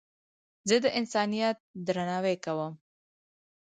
زه د انسانیت درناوی کوم.